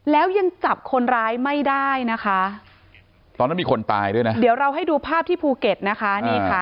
แล้วยังจับคนร้ายไม่ได้นะคะตอนนั้นมีคนตายด้วยนะเดี๋ยวเราให้ดูภาพที่ภูเก็ตนะคะนี่ค่ะ